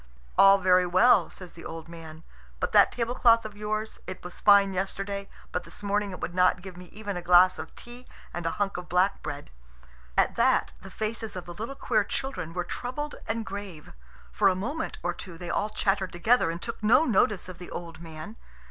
"All very well," says the old man; "but that tablecloth of yours it was fine yesterday, but this morning it would not give me even a glass of tea and a hunk of black bread." At that the faces of the little queer children were troubled and grave. For a moment or two they all chattered together, and took no notice of the old man.